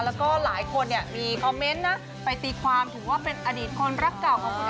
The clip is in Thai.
แล้วก็หลายคนเนี่ยมีคอมเมนต์นะไปตีความถึงว่าเป็นอดีตคนรักเก่าของคุณ